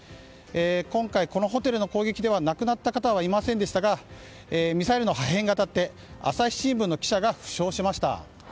今回、このホテルの攻撃で亡くなった方はいませんでしたがミサイルの破片が当たって朝日新聞の記者が負傷しました。